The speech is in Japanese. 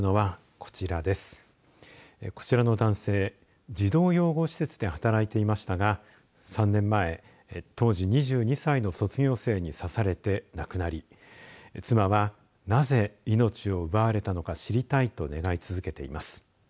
こちらの男性児童養護施設で働いていましたが３年前当時２２歳の卒業生に刺されて亡くなり妻は、なぜ命を奪われたのか知りたいと願い続けています。